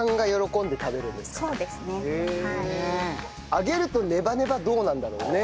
揚げるとネバネバどうなるんだろうね？